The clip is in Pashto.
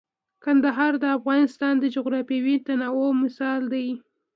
کندهار د افغانستان د جغرافیوي تنوع مثال دی.